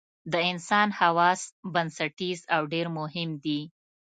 د انسان حواس بنسټیز او ډېر مهم دي.